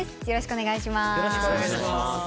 よろしくお願いします。